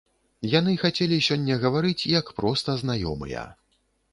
Яны хацелі сёння гаварыць як проста знаёмыя.